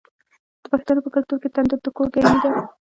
د پښتنو په کلتور کې تندور د کور ګرمي ده.